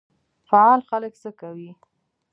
فعال خلک څه کوي؟